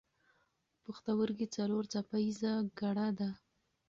پوښتورګی څلور څپه ایزه ګړه ده.